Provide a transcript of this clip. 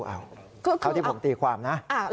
เท่าที่ผมตีความนะคุณเข้าใจไหม